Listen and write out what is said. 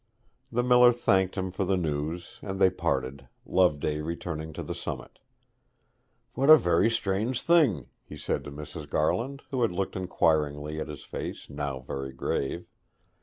The miller thanked him for the news, and they parted, Loveday returning to the summit. 'What a very strange thing!' he said to Mrs. Garland, who had looked inquiringly at his face, now very grave.